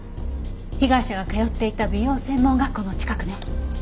被害者が通っていた美容専門学校の近くね。